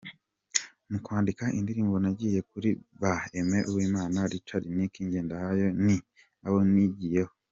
Mu kwandika indirimbo nigiye kuri ba Aimé Uwimana, Richard Nick Ngendahayo, ni abo nigiyeho.